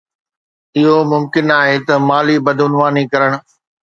اهو ممڪن آهي ته مالي بدعنواني ڪرڻ.